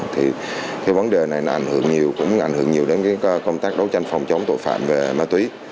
thì cái vấn đề này cũng ảnh hưởng nhiều đến công tác đấu tranh phòng chống tội phạm về ma túy